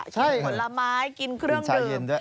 กินเหมือนละไม้กินเครื่องดื่ม